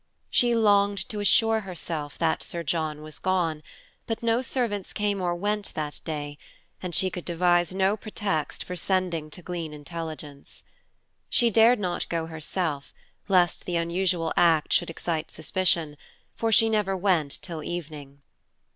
She longed to assure herself that Sir John was gone, but no servants came or went that day, and she could devise no pretext for sending to glean intelligence. She dared not go herself, lest the unusual act should excite suspicion, for she never went till evening.